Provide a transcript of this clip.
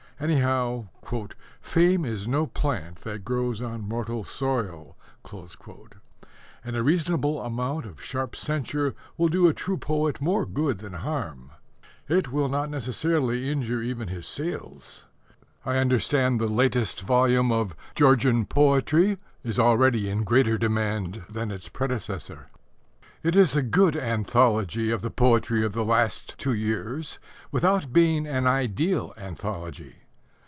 Anyhow, "fame is no plant that grows on mortal soil," and a reasonable amount of sharp censure will do a true poet more good than harm. It will not necessarily injure even his sales. I understand the latest volume of Georgian Poetry is already in greater demand than its predecessor. It is a good anthology of the poetry of the last two years without being an ideal anthology.